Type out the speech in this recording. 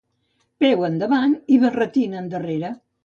Peu endavant i barretina endarrere.